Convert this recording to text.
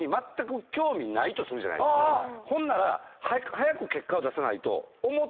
ほんなら早く結果を出さないと。